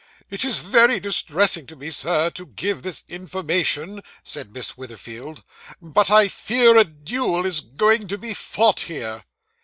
'It is very distressing to me, Sir, to give this information,' said Miss Witherfield, 'but I fear a duel is going to be fought here.